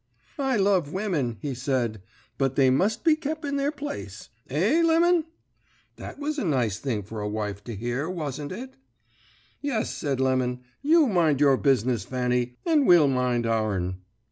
"'I love wimmin,' he said, 'but they must be kep in their place. Eh, Lemon?' "That was a nice thing for a wife to hear, wasn't it? "'Yes,' said Lemon: 'you mind your business, Fanny, and we'll mind our'n.'